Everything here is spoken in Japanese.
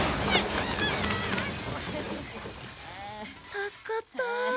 助かった。